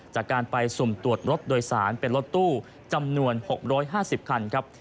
จากการไปสุ่มตรวจรถโดยสารเป็นรถตู้จำนวน๖๕๐คันครับ